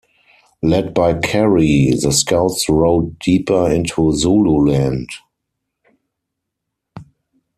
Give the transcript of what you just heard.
Led by Carey, the scouts rode deeper into Zululand.